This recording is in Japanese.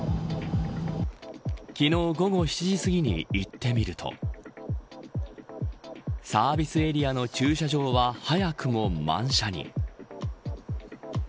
昨日午後７時すぎに行ってみるとサービスエリアの駐車場は早くも満車に。